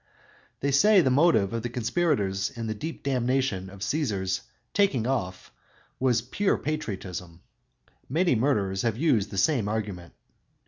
They say the motive of the conspirators in the deep damnation of Cæsar's "taking off" was purely patriotism. Many murderers have used the same argument.